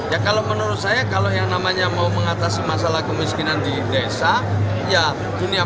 ya kalau menurut saya kalau yang namanya mau mengatasi masalah kemiskinan di desa ya dunia